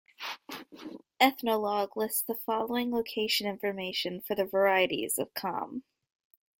"Ethnologue" lists the following location information for the varieties of Kham.